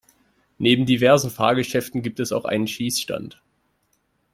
Neben diversen Fahrgeschäften gibt es auch einen Schießstand.